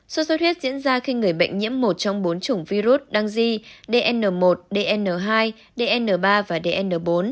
suốt suốt huyết diễn ra khi người bệnh nhiễm một trong bốn chủng virus đăng di dn một dn hai dn ba và dn bốn